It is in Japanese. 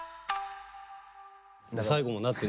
最後もだってね